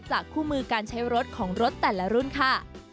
คู่มือการใช้รถของรถแต่ละรุ่นค่ะ